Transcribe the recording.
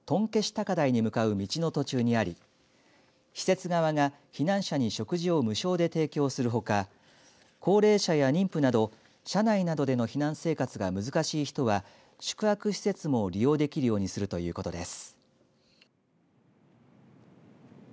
高台に向かう道の途中にあり施設側が避難者に食事を無償で提供するほか高齢者や妊婦など車内などでの避難生活が難しい人は宿泊施設も利用できるようにするということです。